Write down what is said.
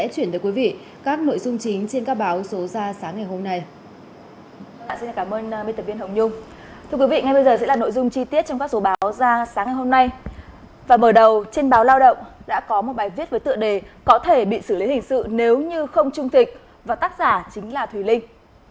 trên báo lao động đã có một bài viết với tựa đề có thể bị xử lý hình sự nếu như không trung tịch và tác giả chính là thùy linh